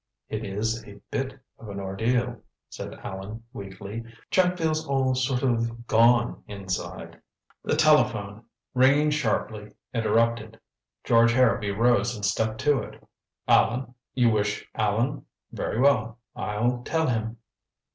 "It is a bit of an ordeal," said Allan weakly. "Chap feels all sort of gone inside " The telephone, ringing sharply, interrupted. George Harrowby rose and stepped to it. "Allan? You wish Allan? Very well. I'll tell him."